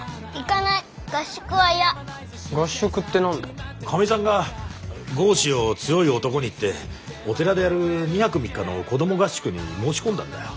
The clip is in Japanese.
かみさんが剛士を強い男にってお寺でやる２泊３日の子ども合宿に申し込んだんだよ。